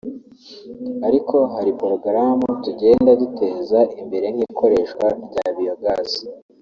ariko hari porogaramu tugenda duteza imbere nk’ikoreshwa rya biyogazi